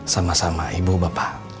sama sama ibu bapak